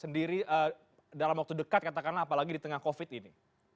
sendiri dalam waktu dekat katakanlah apalagi di tengah covid ini